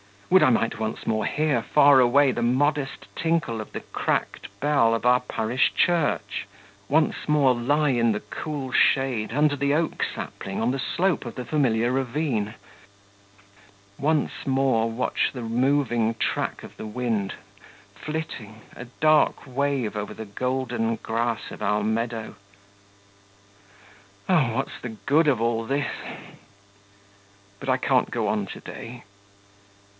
Would I might once more hear far away the modest tinkle of the cracked bell of our parish church; once more lie in the cool shade under the oak sapling on the slope of the familiar ravine; once more watch the moving track of the wind, flitting, a dark wave over the golden grass of our meadow!... Ah, what's the good of all this? But I can't go on to day.